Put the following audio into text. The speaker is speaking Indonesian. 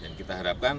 yang kita harapkan